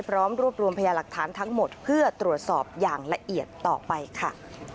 พร้อมรวบรวมพยาหลักฐานทั้งหมดเพื่อตรวจสอบอย่างละเอียดต่อไปค่ะ